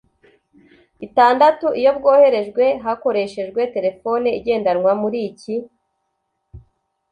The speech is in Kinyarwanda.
itandatu iyo bwoherejwe hakoreshejwe terefone igendanwa. muri iki